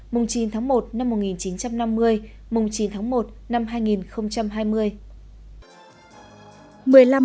mùng chín tháng một năm một nghìn chín trăm năm mươi mùng chín tháng một năm hai nghìn hai mươi